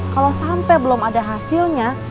kalau sampai belum ada hasilnya